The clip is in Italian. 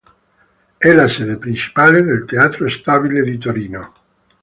È la sede principale del Teatro Stabile di Torino.